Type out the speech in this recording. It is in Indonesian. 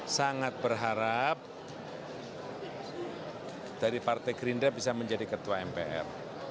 sangat berharap dari partai gerindra bisa menjadi ketua mpr